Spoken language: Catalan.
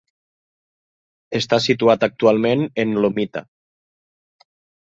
Està situat actualment en Lomita.